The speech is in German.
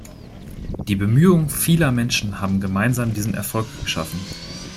Die Bemühungen vieler Menschen haben gemeinsam diesen Erfolg geschaffen.